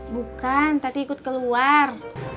bukan tati ikut keluar